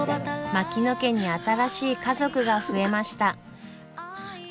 槙野家に新しい家族が増えました。